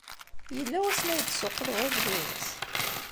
Yella wasmi ay d-tessuqqleḍ adlis?